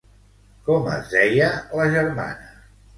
Com es deia la germana?